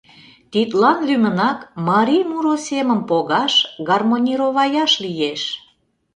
Тидлан лӱмынак марий муро семым погаш, гармонироваяш лиеш.